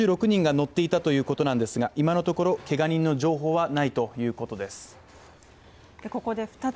９６人が乗っていたということなんですが、今のところけが人の情報はないということです。